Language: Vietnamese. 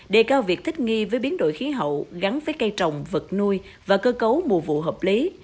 đề cao việc thích nghi với biến đổi khí hậu gắn với cây trồng vật nuôi và cơ cấu mùa vụ hợp lý